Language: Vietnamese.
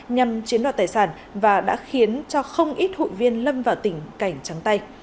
nhằm chiến đoạt tài sản và đã khiến cho không ít hụi viên lâm vào tỉnh cảnh trắng tay